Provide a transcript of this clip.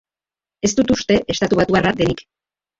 Ez dut uste estatubatuarra denik.